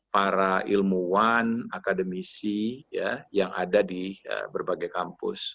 para ilmuwan akademisi yang ada di berbagai kampus